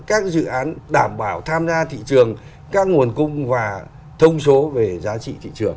các dự án đảm bảo tham gia thị trường các nguồn cung và thông số về giá trị thị trường